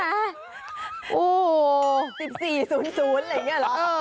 ๑๔๐๐อะไรอย่างนี้หรอ